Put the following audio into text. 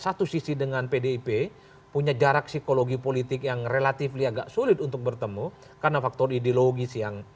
satu sisi dengan pdip punya jarak psikologi politik yang relatif agak sulit untuk bertemu karena faktor ideologis yang